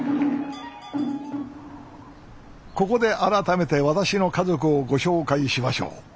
ここで改めて私の家族をご紹介しましょう。